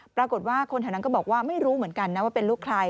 ปรากฏว่าคนแถวนั้นก็บอกว่าไม่รู้เหมือนกันนะว่าเป็นลูกใคร